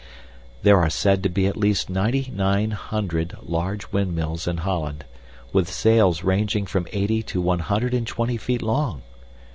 There are said to be at least ninety nine hundred large windmills in Holland, with sails ranging from eighty to one hundred and twenty feet long.